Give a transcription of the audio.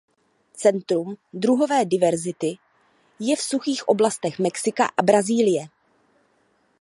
Centrum druhové diverzity je v suchých oblastech Mexika a Brazílie.